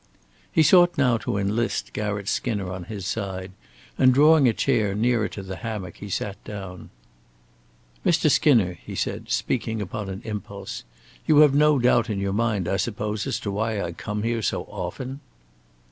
He sought now to enlist Garratt Skinner on his side, and drawing a chair nearer to the hammock he sat down. "Mr. Skinner," he said, speaking upon an impulse, "you have no doubt in your mind, I suppose, as to why I come here so often."